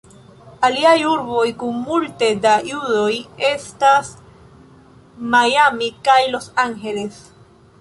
Aliaj urboj kun multe da judoj estas Miami kaj Los Angeles.